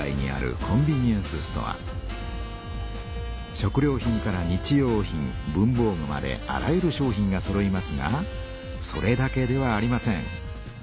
食料品から日用品文ぼう具まであらゆる商品がそろいますがそれだけではありません。